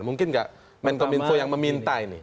mungkin nggak menkom info yang meminta ini